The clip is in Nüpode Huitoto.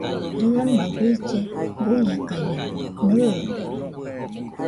Rɨama guille guiakañede, nɨɨde.